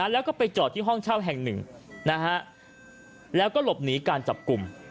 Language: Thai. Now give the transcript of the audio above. แล้วก็ไปจอดที่ห้องเช่าแห่งหนึ่งแล้วก็หลบหนีการจับกลุ่ม